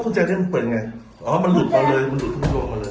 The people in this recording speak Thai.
ก็กุญแจนี่มันเปิดไงอ๋อมันหลุดกันเลยมันหลุดทั้งที่ตัวเขาเลย